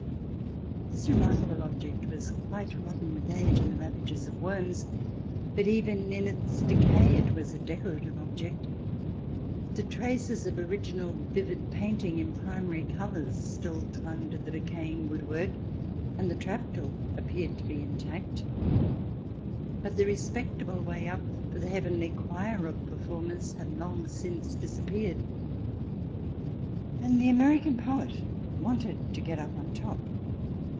This remarkable object was quite rotten with age and the ravages of worms, but even in its decay it was a decorative object. The traces of original vivid painting in primary 74 THE DESIRABLE ALIEN [ch. vi colours still clung to the decaying woodwork, and the trap door appeared to be intact. But the re spectable way up for the heavenly choir of performers had long since disappeared, and the American poet wanted to get up on top.